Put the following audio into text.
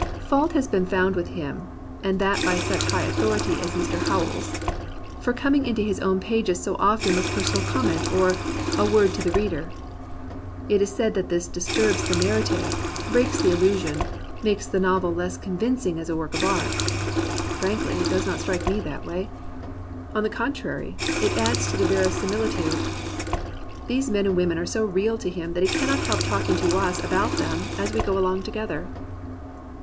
Fault has been found with him (and that by such high authority as Mr. Howells) for coming into his own pages so often with personal comment or, "a word to the reader." It is said that this disturbs the narrative, breaks the illusion, makes the novel less convincing as a work of art. Frankly, it does not strike me that way. On the contrary, it adds to the verisimilitude. These men and women are so real to him that he cannot help talking to us about them as we go along together.